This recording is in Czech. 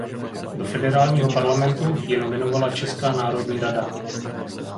Do federálního parlamentu ji nominovala Česká národní rada.